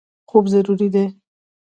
خوب ضروري دی.